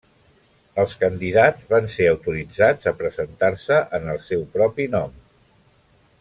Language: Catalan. Els candidats van ser autoritzats a presentar-se en el seu propi nom.